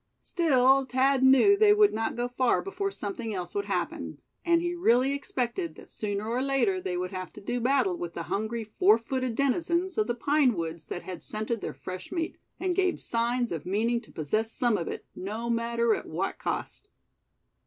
Still Thad knew they would not go far before something else would happen; and he really expected that sooner or later they would have to do battle with the hungry four footed denizens of the pine woods that had scented their fresh meat, and gave signs of meaning to possess some of it, no matter at what cost.